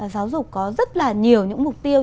giáo dục có rất là nhiều những mục tiêu